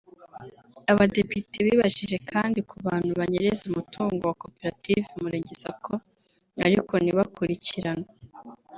Abadepite bibajije kandi ku bantu banyereza umutungo wa Koperative Umurenge Sacco ariko ntibakurikiranwe